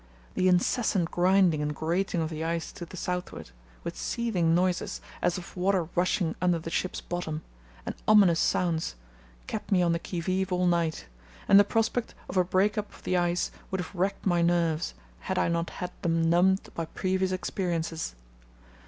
The incessant grinding and grating of the ice to the southward, with seething noises, as of water rushing under the ship's bottom, and ominous sounds, kept me on the qui vive all night, and the prospect of a break up of the ice would have wracked my nerves had I not had them numbed by previous experiences.